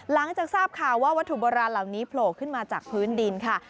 หลังจากทราบข่าวว่าวัตถุโบราณเหล่านี้โผล่ขึ้นมาจากพื้นดินค่ะ